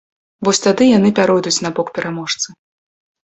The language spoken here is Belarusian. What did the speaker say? Вось тады яны пяройдуць на бок пераможцы.